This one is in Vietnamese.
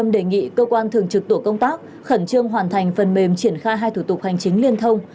đề nghị cơ quan thường trực tổ công tác khẩn trương hoàn thành phần mềm triển khai hai thủ tục hành chính liên thông